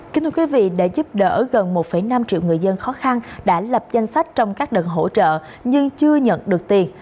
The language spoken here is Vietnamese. kính thưa quý vị để giúp đỡ gần một năm triệu người dân khó khăn đã lập danh sách trong các đợt hỗ trợ nhưng chưa nhận được tiền